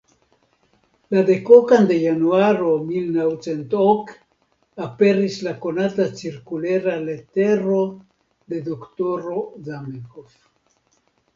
La dekokan de Januaro milnaŭcentok aperis la konata cirkulera letero de Doktoro Zamenhof.